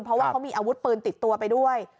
เพราะว่าเขามีอาวุธปืนติดตัวไปด้วย